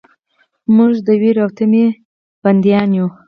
موږ د ویرې او طمعې بندیان یو.